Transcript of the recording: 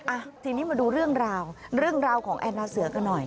อ่ะทีนี้มาดูเรื่องราวเรื่องราวของแอนนาเสือกันหน่อย